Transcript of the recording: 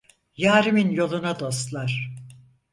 Yârimin yoluna dostlar.